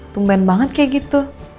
tumben banget kayak gitu